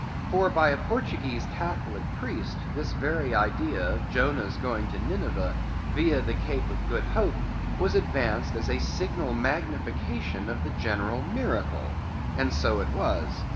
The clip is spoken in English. For by a Portuguese Catholic priest, this very idea of Jonah's going to Nineveh via the Cape of Good Hope was advanced as a signal magnification of the general miracle. And so it was.